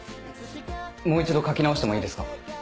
もう一度書き直してもいいですか？